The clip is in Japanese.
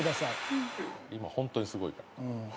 「今ホントにすごいから」